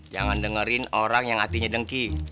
jangan dengerin orang yang artinya dengki